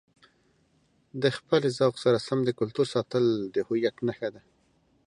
د خپلې ذوق سره سم د کلتور ساتل د هویت نښه ده.